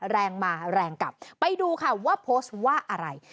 แรงมาแรงกลับไปดูค่ะว่าโพสต์ว่าอะไร